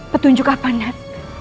petunjuk apa nek